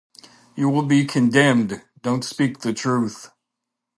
You will be condemned, don't speak the truth!